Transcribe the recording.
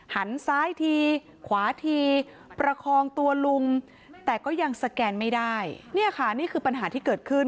หันซ้ายทีขวาทีประคองตัวลุงแต่ก็ยังสแกนไม่ได้เนี่ยค่ะนี่คือปัญหาที่เกิดขึ้น